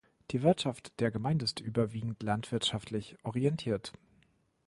Die Wirtschaft der Gemeinde ist überwiegend landwirtschaftlich orientiert.